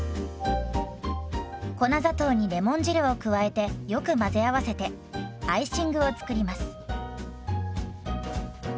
粉砂糖にレモン汁を加えてよく混ぜ合わせてアイシングを作ります。